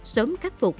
sớm khắc phục